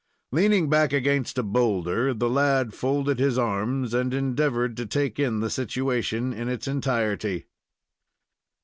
Leaning back against a boulder, the lad folded his arms and endeavored to take in the situation in its entirety.